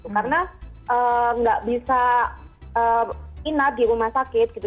karena nggak bisa inat di rumah sakit gitu